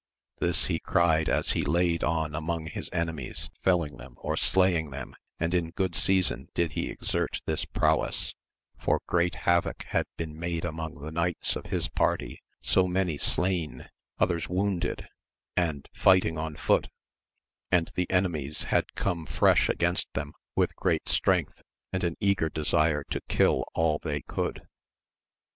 This he cried as he laid on among his enemies, felling them or slaying them, and in good season did he exert this prowess, for great havock had been made among the knights of his party, so many slain, others wounded, and fighting on foot, and the enemies had come fresh against them with great strength, and an eager desire to kill all they could.